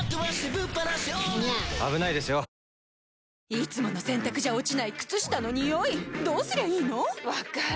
いつもの洗たくじゃ落ちない靴下のニオイどうすりゃいいの⁉分かる。